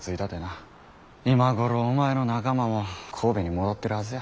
今頃お前の仲間も神戸に戻ってるはずや。